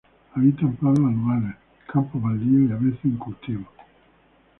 Habita en prados anuales, campos baldíos y a veces en cultivos.